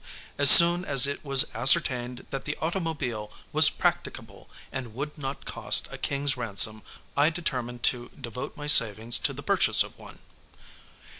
As soon as it was ascertained that the automobile was practicable and would not cost a king's ransom, I determined to devote my savings to the purchase of one.